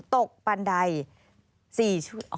ตกปันใด๔ชั่วโมง